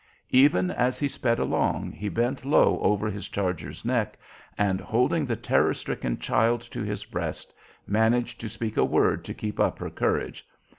Even as he sped along, he bent low over his charger's neck, and, holding the terror stricken child to his breast, managed to speak a word to keep up her courage.